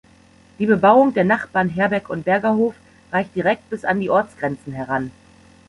Die Bebauung der Nachbarn Herbeck und Bergerhof reicht direkt bis an die Ortsgrenzen heran.